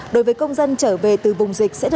đối với công dân trở về từ vùng dịch